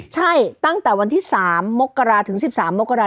ใช่ตั้งแต่วันที่๓มกราถึง๑๓มกราศ